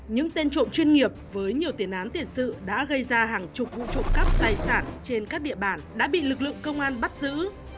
những tên trộm chuyên nghiệp với nhiều tiền án tiền sự đã gây ra hàng chục vụ trộm cắp tài sản trên các địa bàn đã bị lực lượng công an bắt giữ